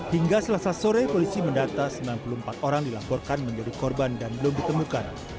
hingga selasa sore polisi mendata sembilan puluh empat orang dilaporkan menjadi korban dan belum ditemukan